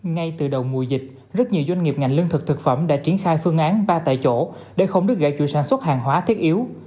ngay từ đầu mùa dịch rất nhiều doanh nghiệp ngành lương thực thực phẩm đã triển khai phương án ba tại chỗ để không đứt gãy chuỗi sản xuất hàng hóa thiết yếu